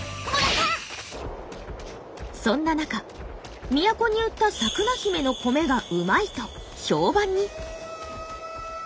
そんな中都に売ったサクナヒメの米がうまいと評判に。